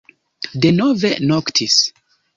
Denove noktis.